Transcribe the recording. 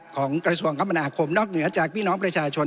ของกระทรวงคมนาคมนอกเหนือจากพี่น้องประชาชน